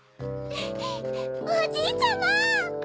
おじいちゃま！